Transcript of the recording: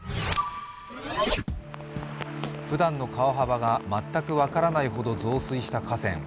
ふだんの川幅が全く分からないほど増水した河川。